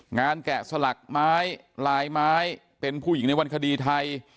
แกะสลักไม้ลายไม้เป็นผู้หญิงในวันคดีไทย